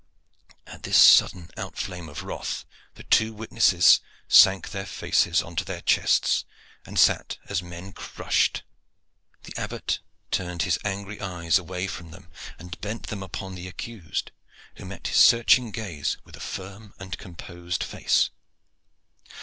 At this sudden outflame of wrath the two witnesses sank their faces on to their chests, and sat as men crushed. The Abbot turned his angry eyes away from them and bent them upon the accused, who met his searching gaze with a firm and composed face.